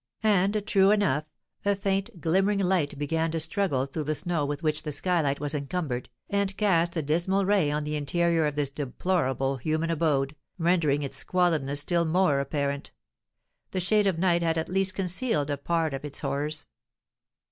And, true enough, a faint, glimmering light began to struggle through the snow with which the skylight was encumbered, and cast a dismal ray on the interior of this deplorable human abode, rendering its squalidness still more apparent; the shade of night had at least concealed a part of its horrors.